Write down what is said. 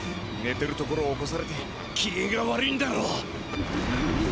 ねてるところを起こされてきげんが悪いんだろう。